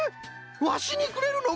ワシにくれるのこれ！？